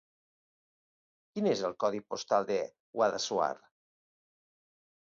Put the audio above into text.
Quin és el codi postal de Guadassuar?